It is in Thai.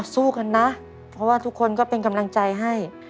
สู้กันนะเพราะว่าทุกคนก็เป็นกำลังใจให้